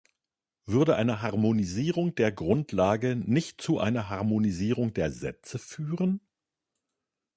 Würde eine Harmonisierung der Grundlage nicht zu einer Harmonisierung der Sätze führen?